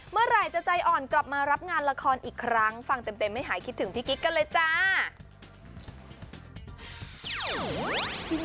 เมื่อไหร่จะใจอ่อนกลับมารับงานละครอีกครั้งฟังเต็มไม่หายคิดถึงพี่กิ๊กกันเลยจ้า